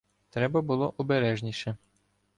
Треба було обережніше.